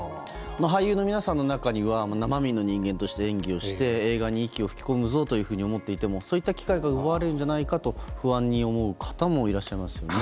俳優の皆さんの中には生身の人間として演技をして映画に息を吹き込むぞと思っていても、そういった機会が奪われるんじゃないかと不安に思う方もいらっしゃいますよね。